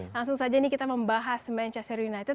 langsung saja ini kita membahas manchester united